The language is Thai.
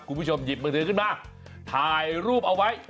คุณผู้ชมหยิบมือถือขึ้นมาถ่ายรูปเอาไว้